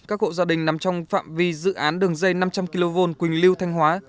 các hộ gia đình nằm trong phạm vi dự án đường dây năm trăm linh kv quỳnh lưu thanh hóa